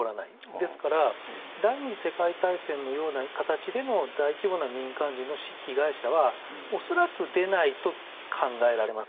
ですから第２次世界大戦のような形での大規模な民間人の被害者は恐らく出ないと考えられます。